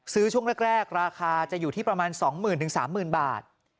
ช่วงแรกราคาจะอยู่ที่ประมาณ๒๐๐๐๓๐๐บาท